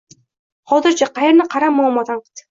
Hozirchi? Qayerni qarama muammo, tanqid.